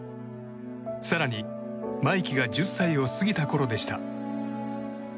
更に、真生騎が１０歳を過ぎたころでした。